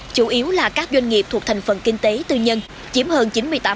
chủ yếu là các doanh nghiệp thuộc thành phần kinh tế tư nhân chiếm hơn chín mươi tám